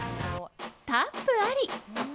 タップあり。